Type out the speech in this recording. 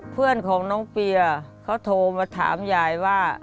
เพื่อนของน้องเปียเขาโทรมาถามยายว่า